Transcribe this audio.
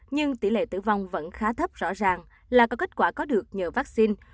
nhưng tỷ lệ tử vong vẫn khá thấp rõ ràng là có kết quả có được nhờ vaccine